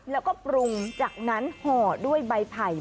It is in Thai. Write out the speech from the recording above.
แล้วก็ปรุงจากนั้นห่อด้วยใบไผ่